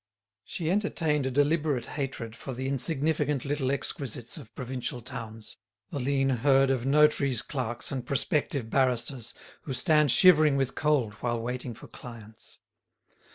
She entertained a deliberate hatred for the insignificant little exquisites of provincial towns, the lean herd of notaries' clerks and prospective barristers, who stand shivering with cold while waiting for clients.